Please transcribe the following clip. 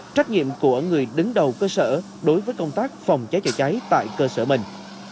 trách nhiệm của người đứng đầu cơ sở đối với công tác phòng cháy chữa cháy tại cơ sở mình